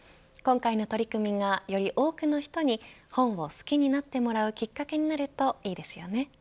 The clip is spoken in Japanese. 今回の取り組みがより多くの人に本を好きになってもらうきっかけになるといいですよね。